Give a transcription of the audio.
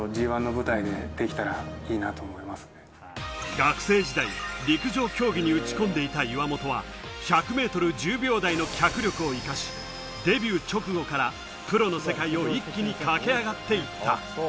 学生時代、陸上競技に打ち込んでいた岩本は１００ｍ１０秒台の脚力を生かし、デビュー直後からプロの世界を一気に駆け上がっていった。